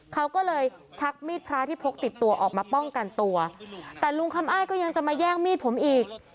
เขาก็เลยชักมีดพระที่พกติดตัวออกมาป้องกันตัวแต่ลุงคำอ้ายก็ยังจะมาแย่งมีดผมอีก